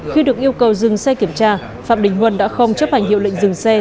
khi được yêu cầu dừng xe kiểm tra phạm đình huân đã không chấp hành hiệu lệnh dừng xe